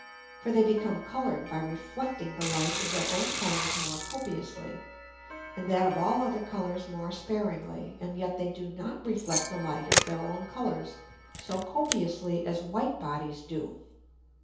For they become colour'd by reflecting the Light of their own Colours more copiously, and that of all other Colours more sparingly, and yet they do not reflect the Light of their own Colours so copiously as white Bodies do.